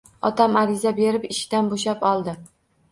Otam ariza berib, ishidan bo`shab oldi